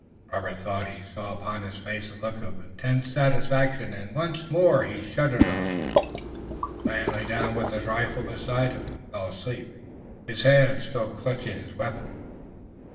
Robert thought he saw upon his face a look of intense satisfaction and once more he shuddered a little. The man lay down with his rifle beside him, and fell asleep, his hands still clutching his weapon.